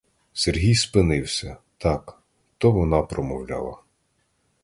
Сергій спинився — так, то вона промовляла.